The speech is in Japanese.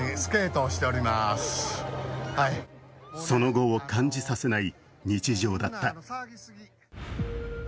その後を感じさせない日常だった。